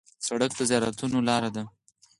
سړک د زیارتونو لار ده.